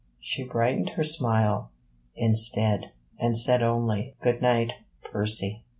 She brightened her smile instead, and said only: 'Good night, Percy.'